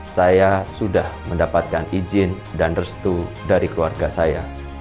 saya sudah mendapatkan izin dan restu dari keluarga saya